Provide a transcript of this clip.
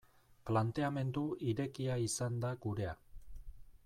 Planteamendu irekia izan da gurea.